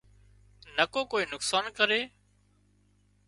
نڪو ڪوئي نقصان ڪري